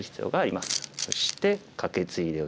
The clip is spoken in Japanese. そしてカケツイでおいて。